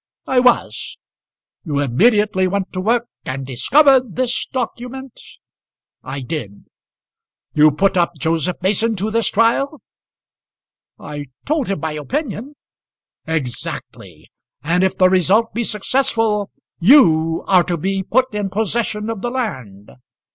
"I was." "You immediately went to work and discovered this document?" "I did." "You put up Joseph Mason to this trial?" "I told him my opinion." "Exactly. And if the result be successful, you are to be put in possession of the land."